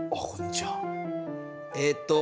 えっ？